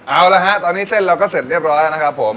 เอาละฮะตอนนี้เส้นเราก็เสร็จเรียบร้อยแล้วนะครับผม